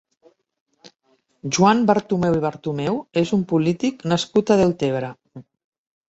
Joan Bertomeu i Bertomeu és un polític nascut a Deltebre.